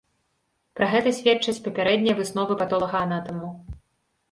Пра гэта сведчаць папярэднія высновы патолагаанатамаў.